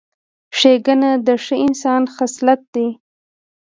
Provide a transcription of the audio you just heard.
ښېګڼه د ښه انسان خصلت دی.